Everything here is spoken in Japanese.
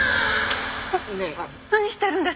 何してるんです！？